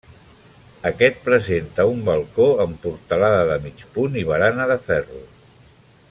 Aquest presenta un balcó amb portalada de mig punt i barana de ferro.